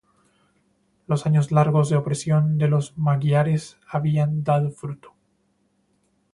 Los años largos de "opresión" de los magiares habían "dado fruto".